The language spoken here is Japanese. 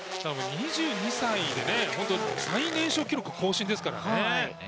２２歳で最年少記録更新ですからね。